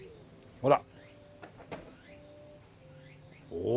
ほら。